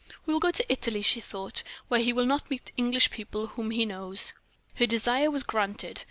"We will go to Italy," she thought, "where he will not meet English people whom he knows." Her desire was granted.